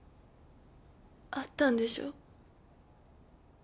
会ったんでしょ？